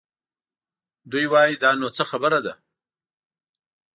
دوی وايي دا نو څه خبره ده؟